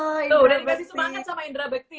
udah dikasih semangat sama indra bekti